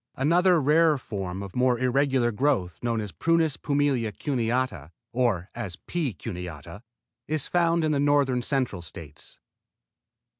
Another rarer form of more irregular growth known as Prunus pumila cuneata, or as P. cuneata, is found in the North Central States.